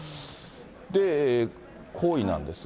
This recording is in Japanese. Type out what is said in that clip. で、行為なんですが。